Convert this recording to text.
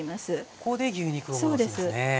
ここで牛肉を戻すんですね。